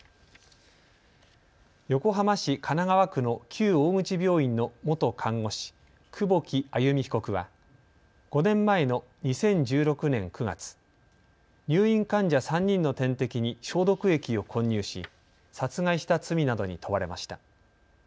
横浜市神奈川区の旧大口病院の元看護師、久保木愛弓被告は５年前の２０１６年９月、入院患者３人の点滴に消毒液を混入し殺害した罪などに問われました。